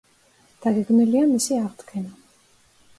დაგეგმილია მისი აღდგენა.